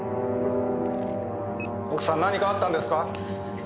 奥さん何かあったんですか？